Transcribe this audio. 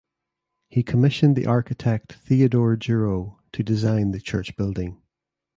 He commissioned the architect Theodore Giraud to design the church building.